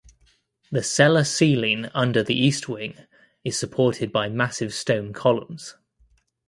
The cellar ceiling under the east wing is supported by massive stone columns.